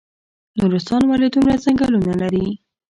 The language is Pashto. نورستان ولې دومره ځنګلونه لري؟